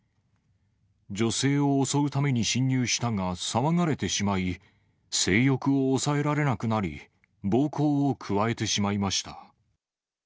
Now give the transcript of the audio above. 女性を襲うために侵入したが、騒がれてしまい、性欲を抑えられなくなり、暴行を加えてしまいました。